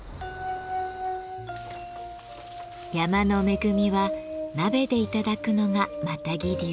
山の恵みは鍋で頂くのがマタギ流。